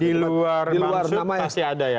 di luar mas susatyo pasti ada ya